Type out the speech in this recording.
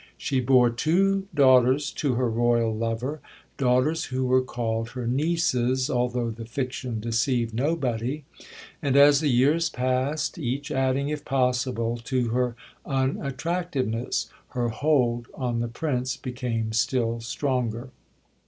She bore two daughters to her Royal lover daughters who were called her "nieces," although the fiction deceived nobody and as the years passed, each adding, if possible, to her unattractiveness, her hold on the Prince became still stronger.